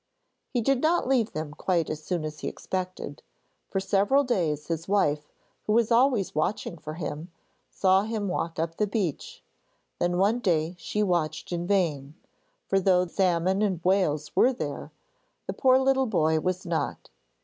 He did not leave them quite as soon as he expected. For several days his wife who was always watching for him, saw him walk up the beach; then one day she watched in vain, for though salmon and whales were there, the poor little boy was not.